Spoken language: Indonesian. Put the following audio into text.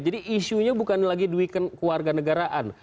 jadi isunya bukan lagi duit warga negaraan